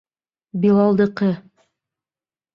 Билалдыҡы!